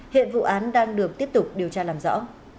hiện vụ án đang được tiếp tục điều tra làm rõ